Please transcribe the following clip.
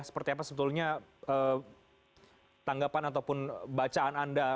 seperti apa sebetulnya tanggapan ataupun bacaan anda